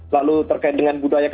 lalu terkait dengan budaya